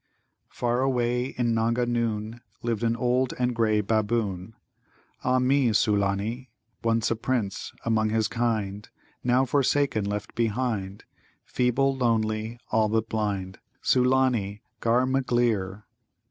"Far away in Nanga noon Lived an old and grey Baboon, Ah mi, Sulâni! Once a Prince among his kind, Now forsaken, left behind, Feeble, lonely, all but blind: Sulâni, ghar magleer.